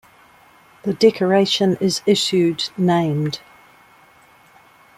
The decoration is issued named.